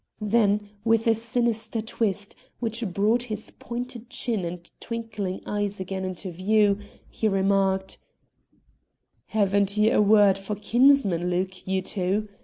Then, with a sinister twist which brought his pointed chin and twinkling eyes again into view, he remarked: "Haven't ye a word for kinsman Luke, you two?